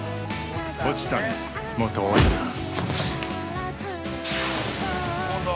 ◆落ちたね、元王者さん。